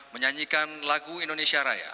menyanyikan lagu indonesia raya